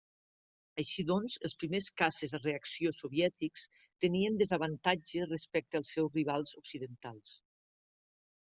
Així doncs els primers caces a reacció soviètics tenien desavantatge respecte als seus rivals occidentals.